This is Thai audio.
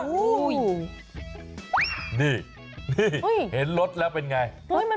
อุ้ยนี่เห็นรถแล้วเป็นอย่างไร